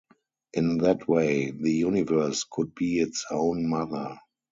In that way, the universe could be its own mother.